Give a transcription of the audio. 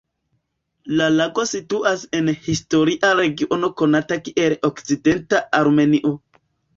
La lago situas en historia regiono konata kiel Okcidenta Armenio.